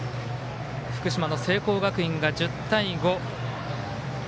福島の聖光学院が１０対５。